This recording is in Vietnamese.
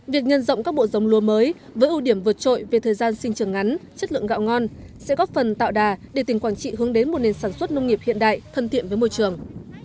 việc nhân rộng các bộ giống lúa mới với ưu điểm vượt trội về thời gian sinh trường ngắn chất lượng gạo ngon sẽ góp phần tạo đà để tỉnh quảng trị hướng đến một nền sản xuất nông nghiệp hiện đại thân thiện với môi trường